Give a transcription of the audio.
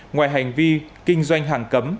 ngoài hành vi kinh doanh hàng cấm